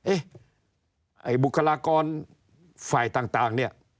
เอ๊ะไอ้บุคลากรฝ่ายต่างนี่